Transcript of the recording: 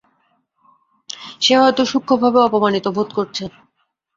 সে হয়তো সূক্ষ্মভাবে অপমানিত বোধ করছে।